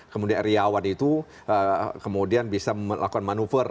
kemudian iryawan itu kemudian bisa melakukan manuver